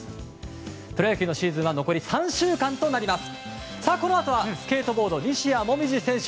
プロ野球のシーズンは残り３週間となります。